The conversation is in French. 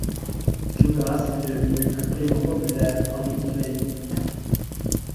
Džiugas est devenu un prénom populaire en Lituanie.